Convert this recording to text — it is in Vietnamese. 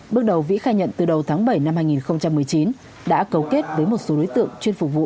bước đầu vĩ khai nhận từ đầu tháng bảy năm hai nghìn một mươi chín đã cấu kết với một số đối tượng chuyên phục vụ